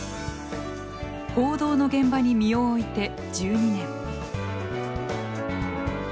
報道の現場に身を置いて１２年。